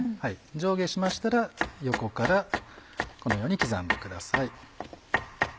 上下しましたら横からこのように刻んでください。